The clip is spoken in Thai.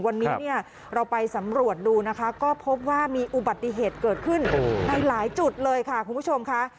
วันนี้เนี่ยเราไปสำรวจดูนะคะก็พบว่ามีอุบัติเหตุเกิดขึ้นในหลายจุดเลยค่ะคุณผู้ชมค่ะ